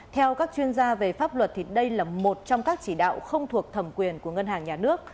theo các chuyên gia về pháp luật đây là một trong các chỉ đạo không thuộc thẩm quyền của ngân hàng nhà nước